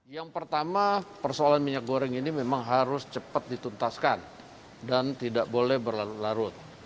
yang pertama persoalan minyak goreng ini memang harus cepat dituntaskan dan tidak boleh berlarut larut